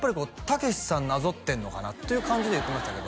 「たけしさんなぞってんのかな」という感じで言ってましたけど